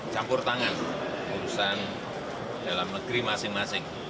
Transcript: campur tangan urusan dalam negeri masing masing